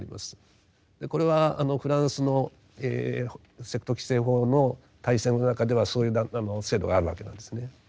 これはフランスのセクト規制法の体制の中ではそういう制度があるわけなんですね。